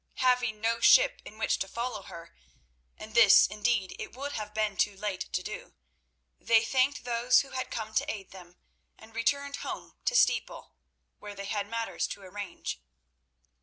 Having no ship in which to follow her—and this, indeed, it would have been too late to do—they thanked those who had come to aid them, and returned home to Steeple, where they had matters to arrange.